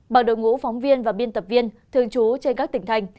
bằng đội ngũ phóng viên và biên tập viên thường trú trên các tỉnh thành